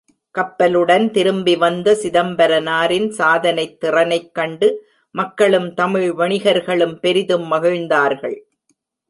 கப்பலுடன் திரும்பி வந்த சிதம்பரனாரின் சாதனைத் திறனைக் கண்டு மக்களும், தமிழ் வணிகர்களும் பெரிதும் மகிழ்ந்தார்கள்.